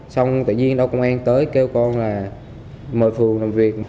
xong tự nhiên đâu công an tới kêu con là mời phụ làm việc